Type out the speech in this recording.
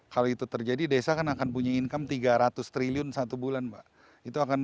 kalau itu terjadi desa kan akan punya income tiga ratus triliun satu bulan pak